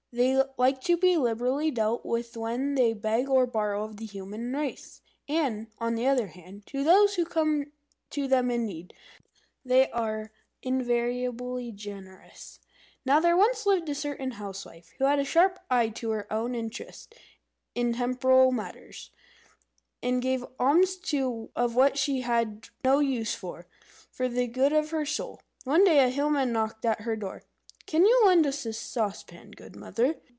They like to be liberally dealt with when they beg or borrow of the human race; and, on the other hand, to those who come to them in need, they are invariably generous. Now there once lived a certain Housewife who had a sharp eye to her own interests in temporal matters, and gave alms of what she had no use for, for the good of her soul. One day a Hillman knocked at her door. "Can you lend us a saucepan, good Mother?"